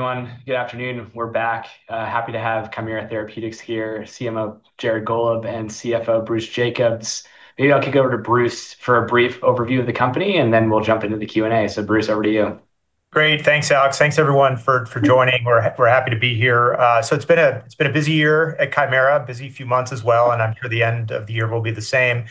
Hey everyone, good afternoon. We're back. Happy to have Kymera Therapeutics here, CMO Jared Gollob and CFO Bruce Jacobs. Maybe I'll kick it over to Bruce for a brief overview of the company, and then we'll jump into the Q&A. Bruce, over to you. Great, thanks Alex. Thanks everyone for joining. We're happy to be here. It's been a busy year at Kymera Therapeutics, a busy few months as well, and I'm sure the end of the year will be the same.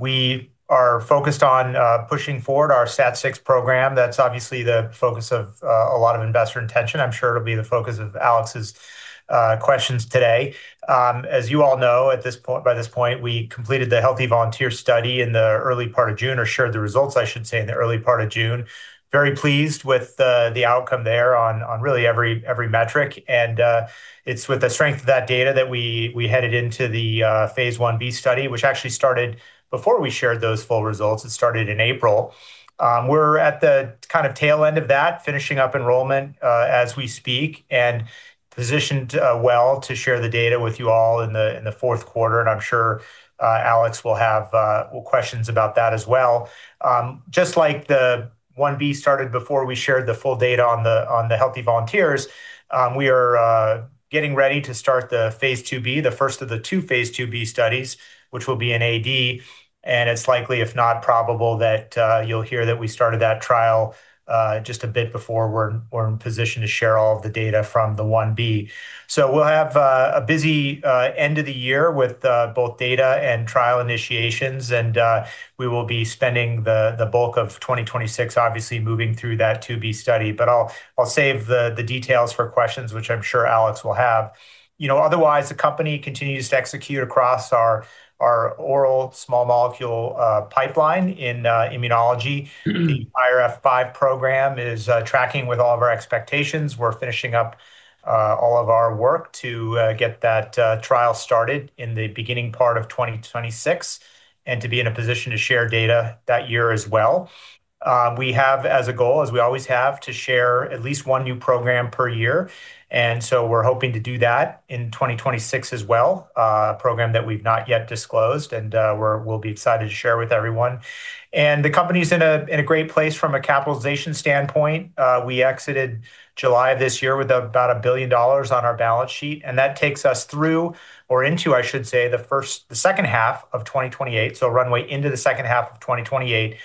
We are focused on pushing forward our STAT6 program. That's obviously the focus of a lot of investor attention. I'm sure it'll be the focus of Alex's questions today. As you all know, by this point, we completed the Healthy Volunteer Study in the early part of June, or shared the results, I should say, in the early part of June. Very pleased with the outcome there on really every metric. It's with the strength of that data that we headed into the Phase 1B study, which actually started before we shared those full results. It started in April. We're at the kind of tail end of that, finishing up enrollment as we speak, and positioned well to share the data with you all in the fourth quarter. I'm sure Alex will have questions about that as well. Just like the 1B started before we shared the full data on the Healthy Volunteers, we are getting ready to start the Phase 2B, the first of the two Phase 2B studies, which will be in atopic dermatitis. It's likely, if not probable, that you'll hear that we started that trial just a bit before we're in position to share all of the data from the 1B. We'll have a busy end of the year with both data and trial initiations, and we will be spending the bulk of 2026 obviously moving through that 2B study. I'll save the details for questions, which I'm sure Alex will have. Otherwise, the company continues to execute across our oral small molecule pipeline in immunology. The IRF5 program is tracking with all of our expectations. We're finishing up all of our work to get that trial started in the beginning part of 2026, and to be in a position to share data that year as well. We have as a goal, as we always have, to share at least one new program per year. We're hoping to do that in 2026 as well, a program that we've not yet disclosed, and we'll be excited to share with everyone. The company's in a great place from a capitalization standpoint. We exited July of this year with about $1 billion on our balance sheet. That takes us through, or into, I should say, the second half of 2028, so runway into the second half of 2028.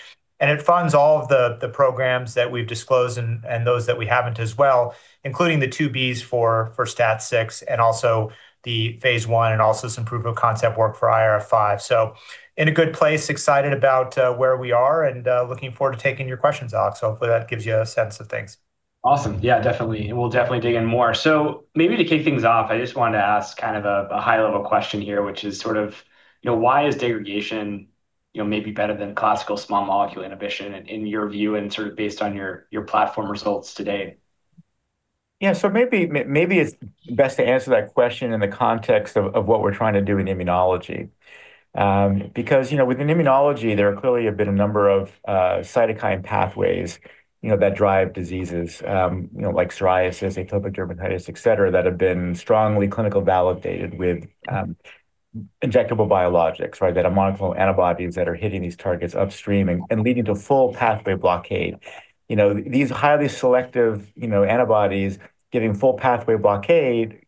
It funds all of the programs that we've disclosed and those that we haven't as well, including the 2Bs for STAT6 and also the Phase 1, and also some proof of concept work for IRF5. In a good place, excited about where we are, and looking forward to taking your questions, Alex. Hopefully that gives you a sense of things. Awesome, yeah, definitely. We'll definitely dig in more. Maybe to kick things off, I just wanted to ask kind of a high-level question here, which is sort of, you know, why is degradation, you know, maybe better than classical small molecule inhibition in your view and sort of based on your platform results today? Yeah, so maybe it's best to answer that question in the context of what we're trying to do in immunology. Because, you know, within immunology, there have clearly been a number of cytokine pathways that drive diseases like psoriasis, atopic dermatitis, et cetera, that have been strongly clinically validated with injectable biologics, right, that are monoclonal antibodies that are hitting these targets upstream and leading to full pathway blockade. These highly selective antibodies giving full pathway blockade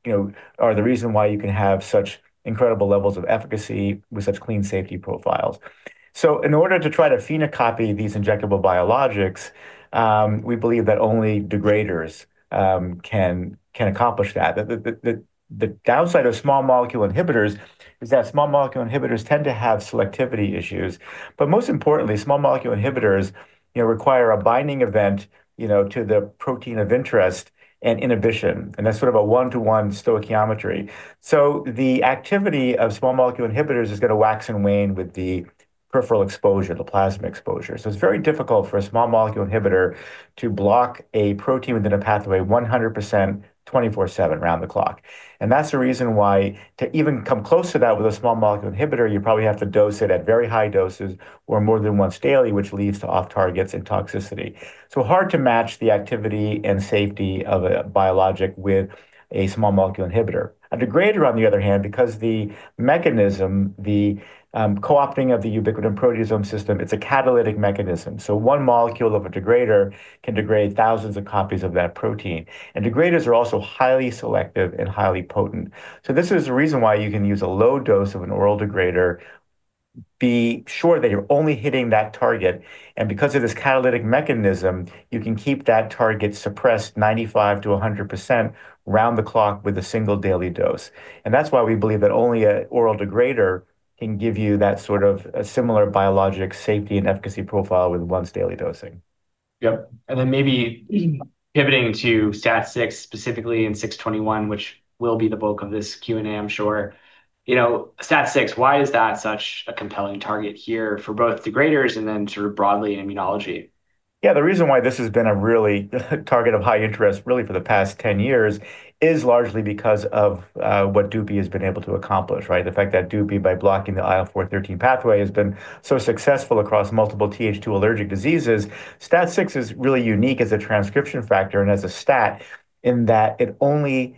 are the reason why you can have such incredible levels of efficacy with such clean safety profiles. In order to try to phenocopy these injectable biologics, we believe that only degraders can accomplish that. The downside of small molecule inhibitors is that small molecule inhibitors tend to have selectivity issues. Most importantly, small molecule inhibitors require a binding event to the protein of interest and inhibition, and that's sort of a one-to-one stoichiometry. The activity of small molecule inhibitors is going to wax and wane with the peripheral exposure, the plasma exposure. It's very difficult for a small molecule inhibitor to block a protein within a pathway 100% 24/7 around the clock. That's the reason why to even come close to that with a small molecule inhibitor, you probably have to dose it at very high doses or more than once daily, which leads to off-targets and toxicity. It's hard to match the activity and safety of a biologic with a small molecule inhibitor. A degrader, on the other hand, because the mechanism, the co-opting of the ubiquitin proteasome system, it's a catalytic mechanism. One molecule of a degrader can degrade thousands of copies of that protein. Degraders are also highly selective and highly potent. This is the reason why you can use a low dose of an oral degrader, be sure that you're only hitting that target. Because of this catalytic mechanism, you can keep that target suppressed 95% to 100% round the clock with a single daily dose. That's why we believe that only an oral degrader can give you that sort of similar biologic safety and efficacy profile with once daily dosing. Yep. Maybe pivoting to STAT6 specifically in KT-621, which will be the bulk of this Q&A, I'm sure. You know, STAT6, why is that such a compelling target here for both degraders and then sort of broadly in immunology? Yeah, the reason why this has been a really target of high interest really for the past 10 years is largely because of what DUPIXENT has been able to accomplish, right? The fact that DUPIXENT, by blocking the IL-4/13 pathway, has been so successful across multiple TH2 allergic diseases. STAT6 is really unique as a transcription factor and as a STAT in that it only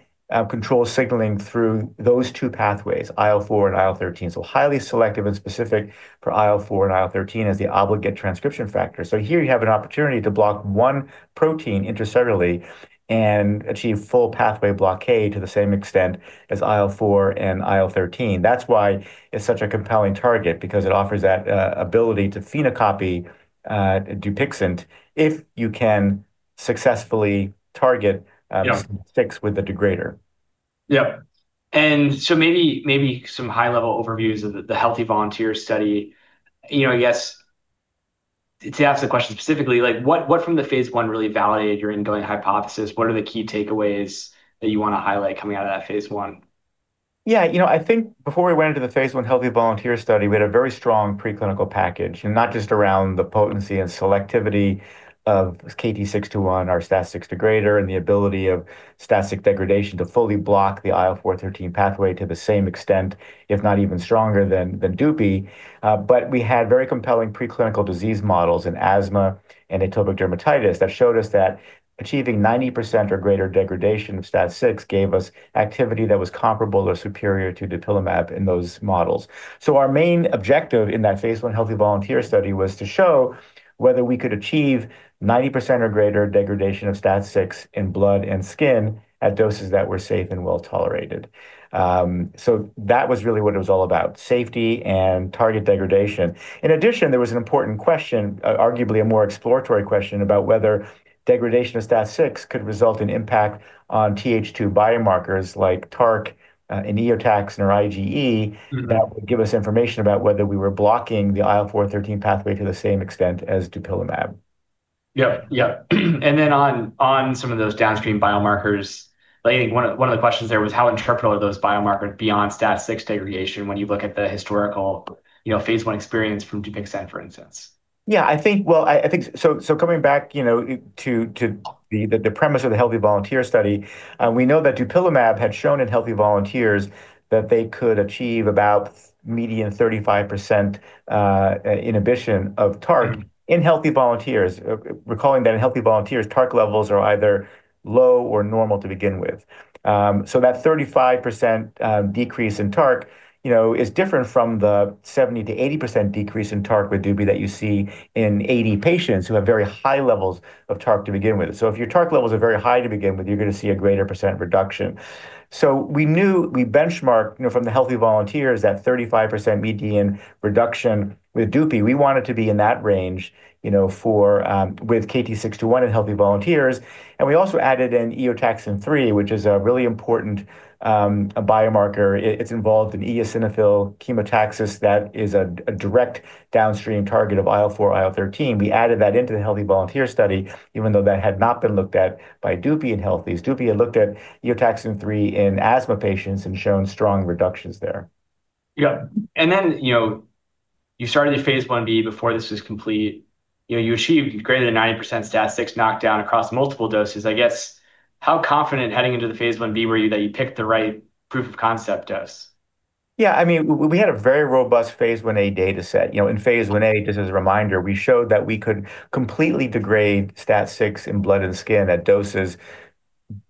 controls signaling through those two pathways, IL-4 and IL-13. It is highly selective and specific for IL-4 and IL-13 as the obligate transcription factor. Here you have an opportunity to block one protein intracellularly and achieve full pathway blockade to the same extent as IL-4 and IL-13. That's why it's such a compelling target because it offers that ability to phenocopy DUPIXENT if you can successfully target STAT6 with a degrader. Yep. Maybe some high-level overviews of the Phase 1 Healthy Volunteer Study. I guess to ask the question specifically, what from the Phase 1 really validated your indwelling hypothesis? What are the key takeaways that you want to highlight coming out of that Phase 1? Yeah, you know, I think before we went into the Phase 1 Healthy Volunteer Study, we had a very strong preclinical package, not just around the potency and selectivity of KT-621 or STAT6 degrader and the ability of STAT6 degradation to fully block the IL-4/13 pathway to the same extent, if not even stronger than DUPIXENT. We had very compelling preclinical disease models in asthma and atopic dermatitis that showed us that achieving 90% or greater degradation of STAT6 gave us activity that was comparable or superior to dupilumab in those models. Our main objective in that Phase 1 Healthy Volunteer Study was to show whether we could achieve 90% or greater degradation of STAT6 in blood and skin at doses that were safe and well tolerated. That was really what it was all about, safety and target degradation. In addition, there was an important question, arguably a more exploratory question, about whether degradation of STAT6 could result in impact on TH2 biomarkers like TARC, eotaxins, and/or IgE that would give us information about whether we were blocking the IL-4/13 pathway to the same extent as dupilumab. Yep. On some of those downstream biomarkers, like I think one of the questions there was how interpretable are those biomarkers beyond STAT6 degradation when you look at the historical, you know, Phase 1 experience from DUPIXENT, for instance? Yeah, I think, coming back to the premise of the Healthy Volunteer Study, we know that DUPIXENT had shown in healthy volunteers that they could achieve about median 35% inhibition of TARK in healthy volunteers, recalling that in healthy volunteers, TARK levels are either low or normal to begin with. That 35% decrease in TARK is different from the 70 to 80% decrease in TARK with DUPIXENT that you see in patients who have very high levels of TARK to begin with. If your TARK levels are very high to begin with, you're going to see a greater % reduction. We knew we benchmarked from the healthy volunteers that 35% median reduction with DUPIXENT, we wanted to be in that range for KT-621 in healthy volunteers. We also added in EOTAXIN-3, which is a really important biomarker. It's involved in eosinophil chemotaxis that is a direct downstream target of IL-4, IL-13. We added that into the healthy volunteer study, even though that had not been looked at by DUPIXENT in healthy. DUPIXENT had looked at EOTAXIN-3 in asthma patients and shown strong reductions there. Yes. You started the Phase 1B before this was complete. You achieved greater than 90% STAT6 knockdown across multiple doses. I guess, how confident heading into the Phase 1B were you that you picked the right proof of concept dose? Yeah, I mean, we had a very robust Phase 1A data set. In Phase 1A, just as a reminder, we showed that we could completely degrade STAT6 in blood and skin at doses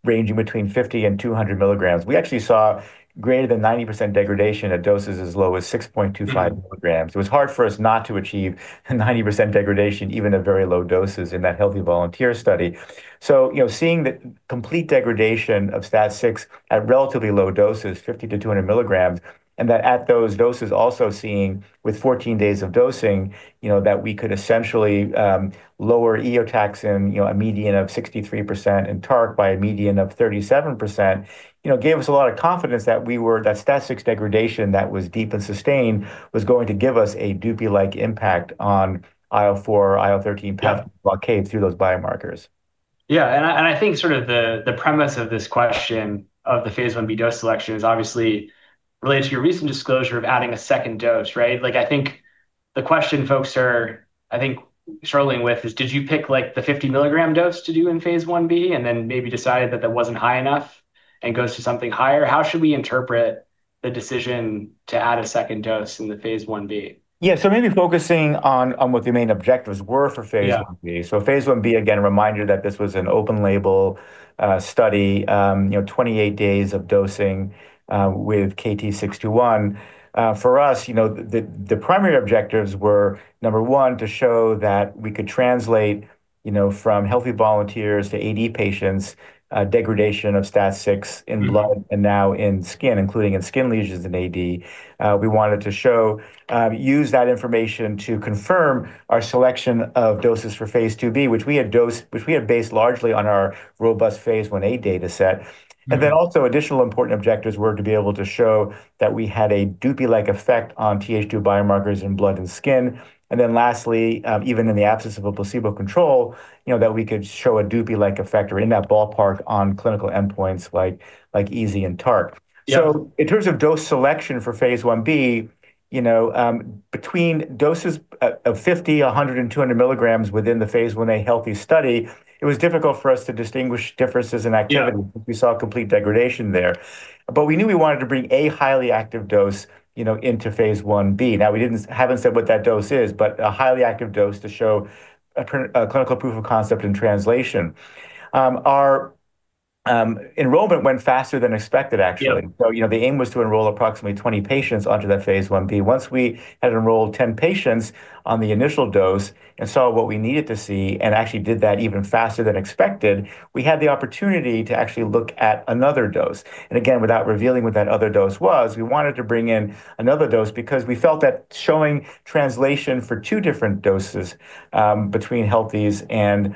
ranging between 50 and 200 milligrams. We actually saw greater than 90% degradation at doses as low as 6.25 milligrams. It was hard for us not to achieve 90% degradation even at very low doses in that healthy volunteer study. Seeing the complete degradation of STAT6 at relatively low doses, 50 to 200 milligrams, and that at those doses also seeing with 14 days of dosing that we could essentially lower eotaxin a median of 63% and TARC by a median of 37% gave us a lot of confidence that STAT6 degradation that was deep and sustained was going to give us a DUPIXENT-like impact on IL-4 or IL-13 path blockade through those biomarkers. Yeah, I think the premise of this question of the Phase 1B dose selection is obviously related to your recent disclosure of adding a second dose, right? I think the question folks are struggling with is, did you pick the 50 milligram dose to do in Phase 1B and then maybe decided that that wasn't high enough and go to something higher? How should we interpret the decision to add a second dose in the Phase 1B? Yeah, so maybe focusing on what the main objectives were for Phase 1B. Phase 1B, again, reminder that this was an open label study, 28 days of dosing with KT-621. For us, the primary objectives were, number one, to show that we could translate from healthy volunteers to AD patients degradation of STAT6 in blood and now in skin, including in skin lesions in AD. We wanted to use that information to confirm our selection of doses for Phase 2B, which we had based largely on our robust Phase 1A data set. Additional important objectives were to be able to show that we had a DUPIXENT-like effect on TH2 biomarkers in blood and skin. Lastly, even in the absence of a placebo control, that we could show a DUPIXENT-like effect or in that ballpark on clinical endpoints like EASI and pruritus. In terms of dose selection for Phase 1B, between doses of 50, 100, and 200 milligrams within the Phase 1A healthy study, it was difficult for us to distinguish differences in activity. We saw complete degradation there. We knew we wanted to bring a highly active dose into Phase 1B. We have not said what that dose is, but a highly active dose to show a clinical proof of concept and translation. Our enrollment went faster than expected, actually. The aim was to enroll approximately 20 patients onto that Phase 1B. Once we had enrolled 10 patients on the initial dose and saw what we needed to see and actually did that even faster than expected, we had the opportunity to look at another dose. Without revealing what that other dose was, we wanted to bring in another dose because we felt that showing translation for two different doses between healthies and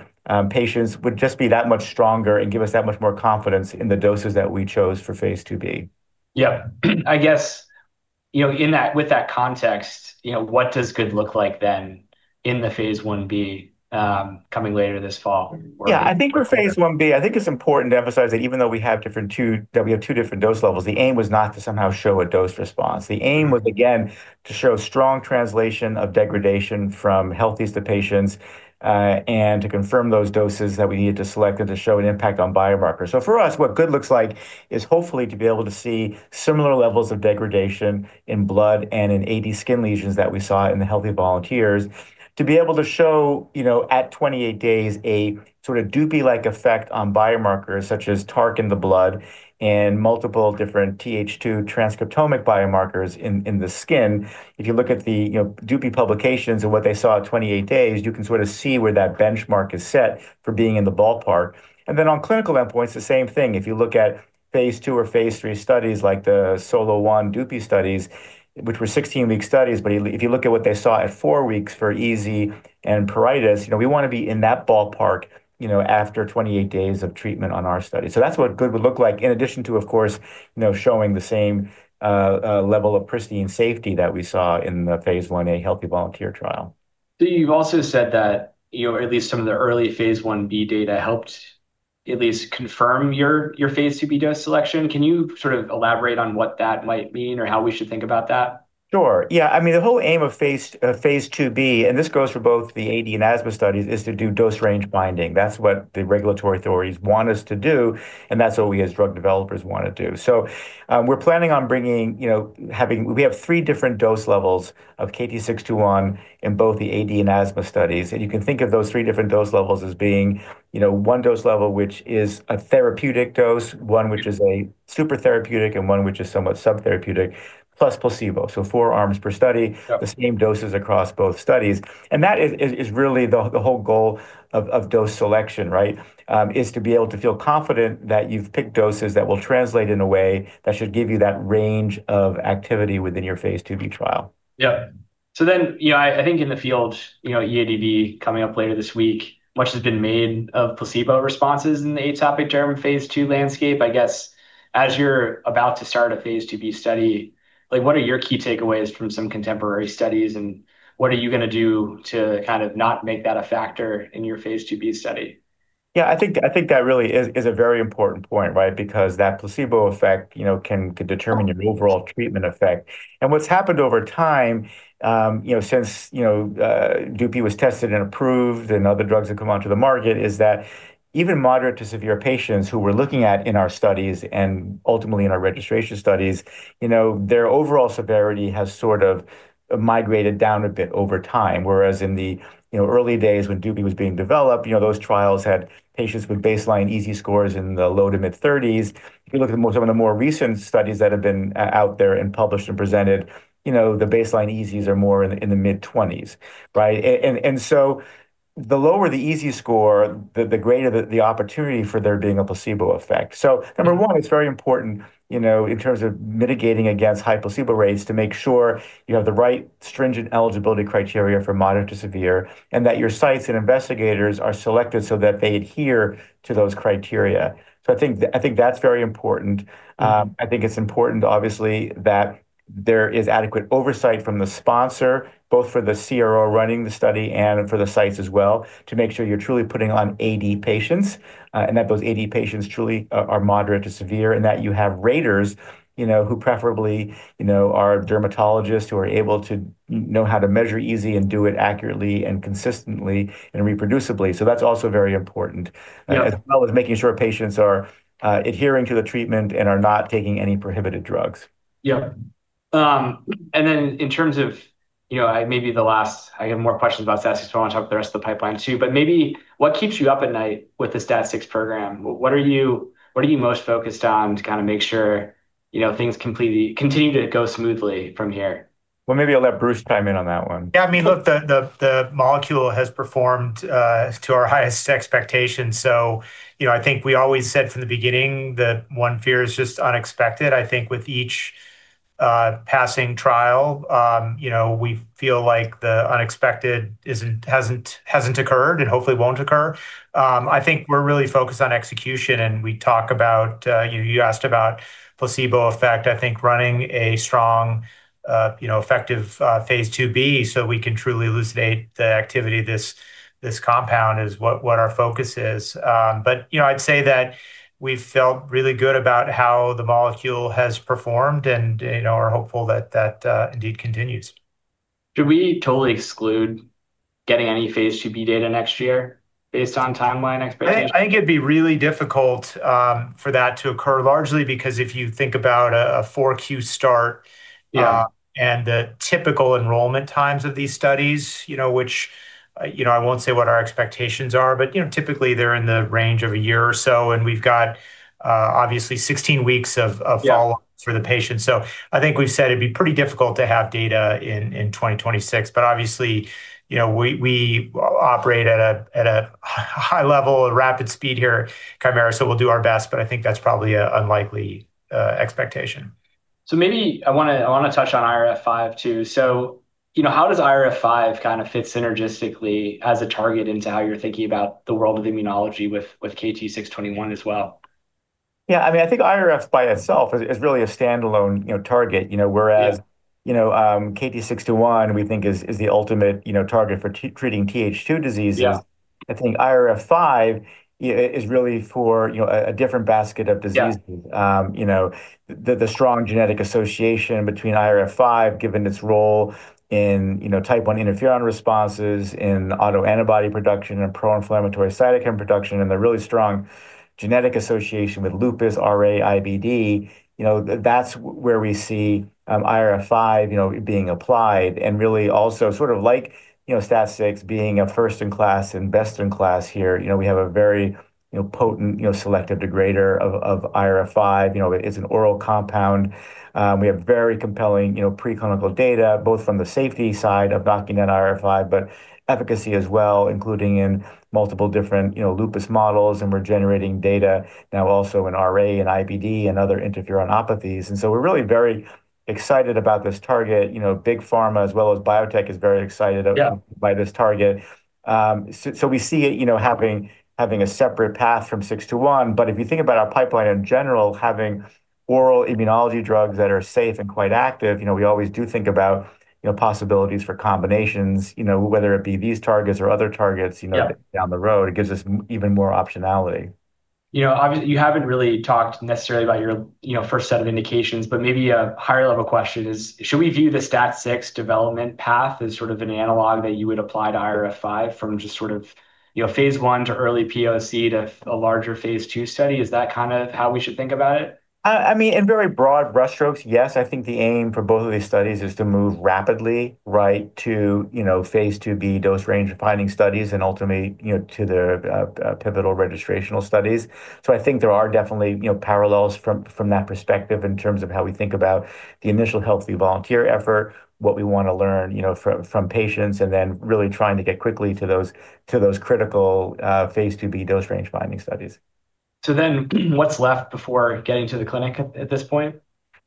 patients would just be that much stronger and give us that much more confidence in the doses that we chose for Phase 2B. I guess, you know, with that context, you know, what does good look like then in the Phase 1B coming later this fall? Yeah, I think for Phase 1B, it's important to emphasize that even though we have two different dose levels, the aim was not to somehow show a dose response. The aim was again to show strong translation of degradation from healthies to patients and to confirm those doses that we needed to select and to show an impact on biomarkers. For us, what good looks like is hopefully to be able to see similar levels of degradation in blood and in AD skin lesions that we saw in the healthy volunteers, to be able to show, you know, at 28 days a sort of DUPI-like effect on biomarkers such as TARK in the blood and multiple different TH2 transcriptomic biomarkers in the skin. If you look at the DUPI publications and what they saw at 28 days, you can sort of see where that benchmark is set for being in the ballpark. On clinical endpoints, the same thing. If you look at Phase 2 or Phase 3 studies like the SOLO-1 DUPI studies, which were 16-week studies, if you look at what they saw at four weeks for EZ and pruritus, you know, we want to be in that ballpark, you know, after 28 days of treatment on our study. That's what good would look like in addition to, of course, showing the same level of pristine safety that we saw in the Phase 1A healthy volunteer trial. You've also said that, you know, at least some of the early Phase 1B data helped at least confirm your Phase 2B dose selection. Can you sort of elaborate on what that might mean or how we should think about that? Sure, yeah, I mean, the whole aim of Phase 2B, and this goes for both the AD and asthma studies, is to do dose range finding. That's what the regulatory authorities want us to do, and that's what we as drug developers want to do. We're planning on bringing, you know, having, we have three different dose levels of KT-621 in both the AD and asthma studies, and you can think of those three different dose levels as being, you know, one dose level which is a therapeutic dose, one which is a super therapeutic, and one which is somewhat subtherapeutic, plus placebo. Four arms per study, the same doses across both studies. That is really the whole goal of dose selection, right? To be able to feel confident that you've picked doses that will translate in a way that should give you that range of activity within your Phase 2B trial. Yep. I think in the field, you know, EADB coming up later this week, much has been made of placebo responses in the atopic dermatitis Phase 2 landscape. I guess as you're about to start a Phase 2B study, what are your key takeaways from some contemporary studies, and what are you going to do to kind of not make that a factor in your Phase 2B study? Yeah, I think that really is a very important point, right? Because that placebo effect can determine your overall treatment effect. What's happened over time since DUPIXENT was tested and approved and other drugs that have come onto the market is that even moderate to severe patients who we're looking at in our studies and ultimately in our registration studies, their overall severity has sort of migrated down a bit over time. In the early days when DUPIXENT was being developed, those trials had patients with baseline EASI scores in the low to mid 30s. If you look at some of the more recent studies that have been out there and published and presented, the baseline EASIs are more in the mid 20s, right? The lower the EASI score, the greater the opportunity for there being a placebo effect. Number one, it's very important in terms of mitigating against high placebo rates to make sure you have the right stringent eligibility criteria for moderate to severe and that your sites and investigators are selected so that they adhere to those criteria. I think that's very important. I think it's important, obviously, that there is adequate oversight from the sponsor, both for the CRO running the study and for the sites as well, to make sure you're truly putting on atopic dermatitis patients and that those atopic dermatitis patients truly are moderate to severe and that you have raters who preferably are dermatologists who are able to know how to measure EASI and do it accurately and consistently and reproducibly. That's also very important, as well as making sure patients are adhering to the treatment and are not taking any prohibited drugs. Yep. In terms of, you know, maybe the last, I have more questions about STAT6 on top of the rest of the pipeline too, but maybe what keeps you up at night with the STAT6 program? What are you most focused on to kind of make sure, you know, things completely continue to go smoothly from here? Maybe I'll let Bruce chime in on that one. Yeah, I mean, look, the molecule has performed to our highest expectations. I think we always said from the beginning that one fear is just unexpected. I think with each passing trial, we feel like the unexpected hasn't occurred and hopefully won't occur. I think we're really focused on execution and we talk about, you asked about placebo effect. I think running a strong, effective Phase 2B so we can truly elucidate the activity of this compound is what our focus is. I'd say that we've felt really good about how the molecule has performed and are hopeful that that indeed continues. Should we totally exclude getting any Phase 2B data next year based on timeline expectations? I think it'd be really difficult for that to occur largely because if you think about a 4Q start and the typical enrollment times of these studies, which, I won't say what our expectations are, but typically they're in the range of a year or so and we've got obviously 16 weeks of follow-ups for the patients. I think we've said it'd be pretty difficult to have data in 2026, but obviously, we operate at a high level of rapid speed here at Kymera, so we'll do our best, but I think that's probably an unlikely expectation. I want to touch on IRF5 too. How does IRF5 kind of fit synergistically as a target into how you're thinking about the world of immunology with KT-621 as well? Yeah, I mean, I think IRF5 by itself is really a standalone target, whereas KT-621, we think, is the ultimate target for treating TH2 diseases. I think IRF5 is really for a different basket of diseases. The strong genetic association between IRF5, given its role in type 1 interferon responses in autoantibody production and pro-inflammatory cytokine production and the really strong genetic association with lupus, RA, IBD, that's where we see IRF5 being applied and really also sort of like STAT6 being a first-in-class and best-in-class here. We have a very potent, selective degrader of IRF5. It is an oral compound. We have very compelling preclinical data, both from the safety side of knocking down IRF5, but efficacy as well, including in multiple different lupus models, and we're generating data now also in RA and IBD and other interferonopathies. We're really very excited about this target. Big pharma as well as biotech is very excited by this target. We see it having a separate path from KT-621, but if you think about our pipeline in general, having oral immunology drugs that are safe and quite active, we always do think about possibilities for combinations, whether it be these targets or other targets down the road, it gives us even more optionality. Obviously, you haven't really talked necessarily about your first set of indications, but maybe a higher-level question is, should we view the STAT6 development path as sort of an analog that you would apply to IRF5 from just sort of phase 1 to early POC to a larger phase 2 study? Is that kind of how we should think about it? In very broad brush strokes, yes, I think the aim for both of these studies is to move rapidly to phase 2B dose range finding studies and ultimately to the pivotal registrational studies. I think there are definitely parallels from that perspective in terms of how we think about the initial healthy volunteer effort, what we want to learn from patients, and then really trying to get quickly to those critical phase 2B dose range finding studies. What's left before getting to the clinic at this point?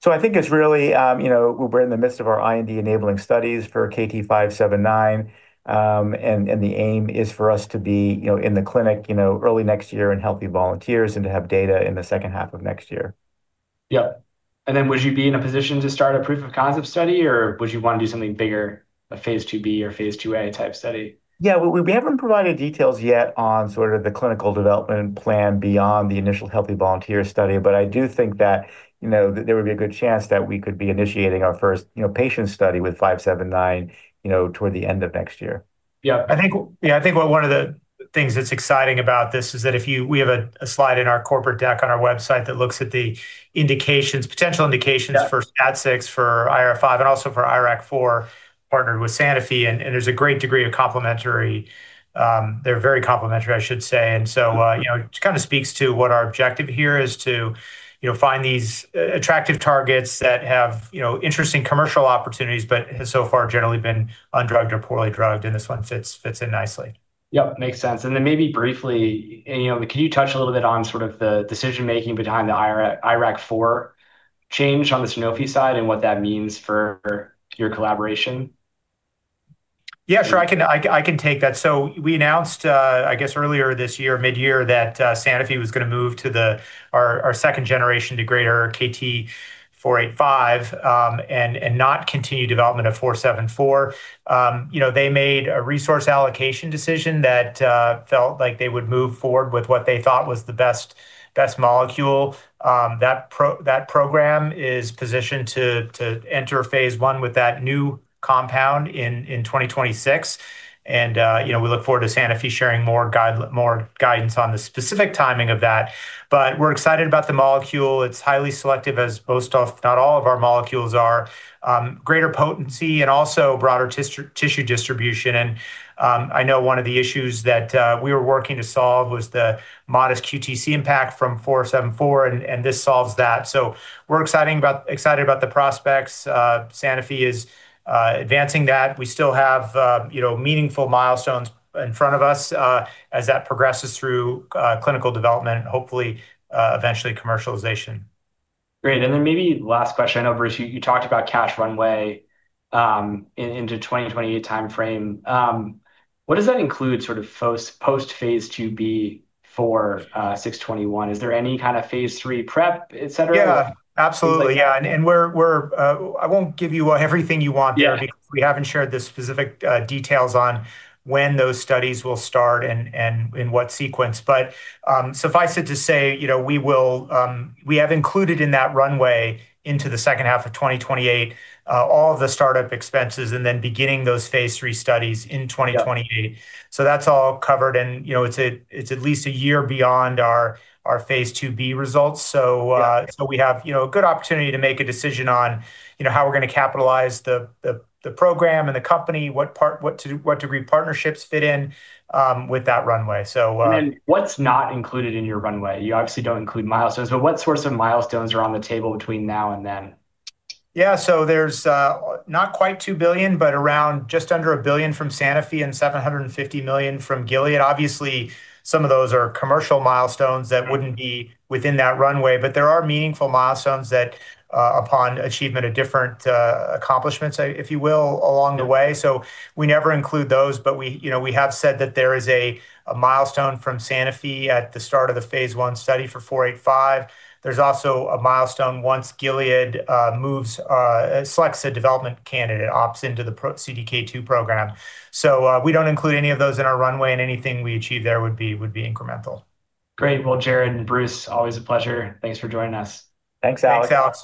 I think it's really, you know, we're in the midst of our IND enabling studies for KT-579, and the aim is for us to be, you know, in the clinic, you know, early next year in healthy volunteers and to have data in the second half of next year. Would you be in a position to start a proof of concept study, or would you want to do something bigger, a Phase 2B or Phase 2A type study? Yeah, we haven't provided details yet on sort of the clinical development plan beyond the initial healthy volunteer study, but I do think that, you know, there would be a good chance that we could be initiating our first, you know, patient study with KT-579 toward the end of next year. I think one of the things that's exciting about this is that we have a slide in our corporate deck on our website that looks at the indications, potential indications for STAT6, for IRF5, and also for IRAK4 partnered with Sanofi, and there's a great degree of complementarity, they're very complementary, I should say, and it kind of speaks to what our objective here is to find these attractive targets that have interesting commercial opportunities, but have so far generally been undrugged or poorly drugged, and this one fits in nicely. Yep, it makes sense. Maybe briefly, you know, can you touch a little bit on sort of the decision making behind the IRAK4 change on the Sanofi side and what that means for your collaboration? Yeah, sure, I can take that. We announced, I guess, earlier this year, mid-year, that Sanofi was going to move to our second generation degrader KT-485 and not continue development of 474. They made a resource allocation decision that felt like they would move forward with what they thought was the best molecule. That program is positioned to enter Phase 1 with that new compound in 2026, and we look forward to Sanofi sharing more guidance on the specific timing of that. We're excited about the molecule. It's highly selective, as most of, if not all of our molecules are, greater potency and also broader tissue distribution. I know one of the issues that we were working to solve was the modest QTC impact from 474, and this solves that. We're excited about the prospects. Sanofi is advancing that. We still have meaningful milestones in front of us as that progresses through clinical development and hopefully eventually commercialization. Great. Maybe last question, I know, Bruce, you talked about cash runway into 2028 timeframe. What does that include sort of post Phase 2B for 621? Is there any kind of Phase 3 prep, et cetera? Yeah, absolutely. We're, I won't give you everything you want there, because we haven't shared the specific details on when those studies will start and in what sequence. Suffice it to say, we have included in that runway into the second half of 2028 all of the startup expenses and then beginning those phase three studies in 2028. That's all covered. It's at least a year beyond our phase 2B results. We have a good opportunity to make a decision on how we're going to capitalize the program and the company, what degree partnerships fit in with that runway. What's not included in your runway? You obviously don't include milestones, but what sorts of milestones are on the table between now and then? Yeah, so there's not quite $2 billion, but around just under $1 billion from Sanofi and $750 million from Gilead. Obviously, some of those are commercial milestones that wouldn't be within that runway, but there are meaningful milestones that, upon achievement of different accomplishments, if you will, along the way. We never include those, but we have said that there is a milestone from Sanofi at the start of the Phase 1 study for KT-485. There's also a milestone once Gilead selects a development candidate, opts into the CDK2 program. We don't include any of those in our runway, and anything we achieve there would be incremental. Great. Jared and Bruce, always a pleasure. Thanks for joining us. Thanks, Alex. Thanks, Alex.